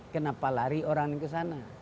kenapa lari orang kesana